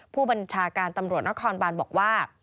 ผู้บัญชาการตำรวจนครบานบอกว่า